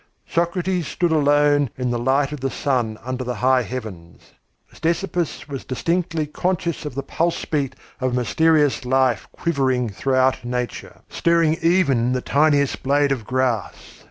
Socrates stood alone in the light of the sun under the high heavens. Ctesippus was distinctly conscious of the pulse beat of a mysterious life quivering throughout nature, stirring even the tiniest blade of grass.